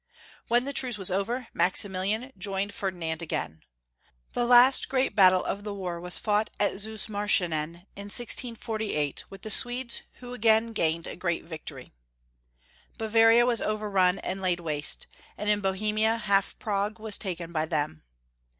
When the truce was over, Maximilian joined Fer dinand again. The last great battle of the war was fought at Zusmarschenen, in 1648, with the Swedes, who again gained a great victory. Bava ria was overrun and laid waste, and in Bohemia, half Prague was taken by them.